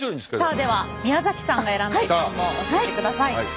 さあでは宮崎さんが選んだ一本も教えてください。